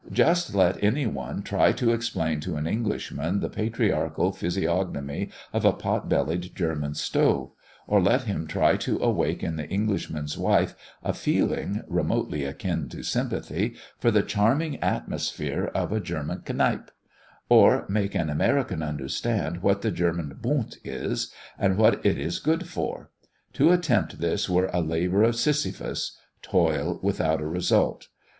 Just let any one try to explain to an Englishman the patriarchal physiognomy of a pot bellied German stove; or let him try to awake in the Englishman's wife a feeling, remotely akin to sympathy, for the charming atmosphere of a German "Kneipe"; or make an American understand what the German "Bund" is, and what it is good for. To attempt this were a labour of Sysiphus toil without a result.